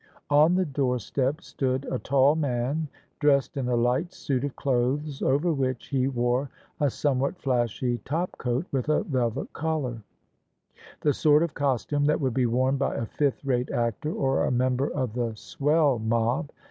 On the door step stood a tall man dressed in a light suit of clothes, over which he wore a somewhat flashy top coat with a velvet collar : the sort of costume that would be worn by a fifth rate actor or a member of the swell mob.